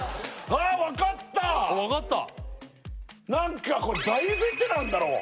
なんかこれ大ベテランだろう？